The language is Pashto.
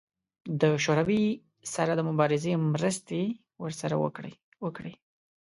د شوروي سره د مبارزې مرستې ورسره وکړي.